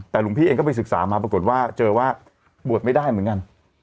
แต่หลวงพี่เองก็ไปศึกษามาปรากฏว่าเจอว่าบวชไม่ได้เหมือนกัน